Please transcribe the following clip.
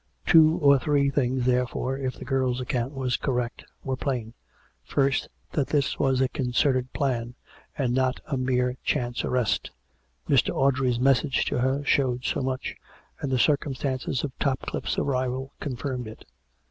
Two or three things, therefore, if the girl's account was correct, were plain. First, that this was a concerted plan, and not a mere chance arrest. Mr. Audrey's message to her showed so much, and the circumstances of Topcliffe's arrival confirmed it.